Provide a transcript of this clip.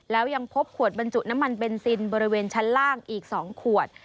แล้วยังพบขวดบรรจุน้ำมันเบนซินบริเวณชั้นล่างอีก๒ขวด